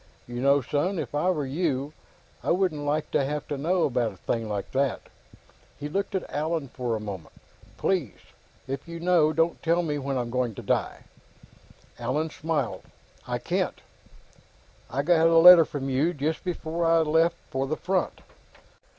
You know, son, if I were you, I wouldn't like to have to know about a thing like that." He looked at Allan for a moment. "Please, if you know, don't ever tell me when I'm going to die." Allan smiled. "I can't. I had a letter from you just before I left for the front.